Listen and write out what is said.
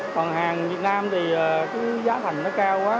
còn hàng việt nam thì cái giá thành nó cao quá